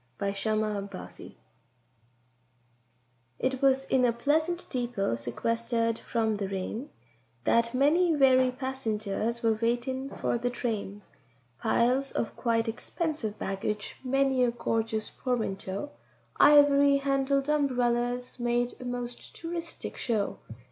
THE BALLAD OF CHARITY It was in a pleasant deepô, sequestered from the rain, That many weary passengers were waitin' for the train; Piles of quite expensive baggage, many a gorgeous portmantó, Ivory handled umberellas made a most touristic show.